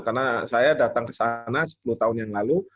karena saya datang ke sana sepuluh tahun yang lalu